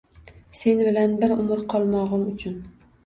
Sen bilan bir umr qolmogʼim uchun